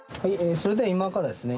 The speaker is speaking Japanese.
それでは今からですね